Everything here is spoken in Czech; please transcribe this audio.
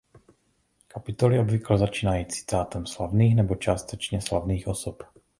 Kapitoly obvykle začínají citátem slavných nebo částečně slavných osob.